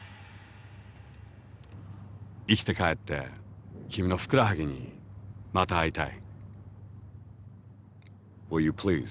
生きて帰って君のふくらはぎにまた会いたい。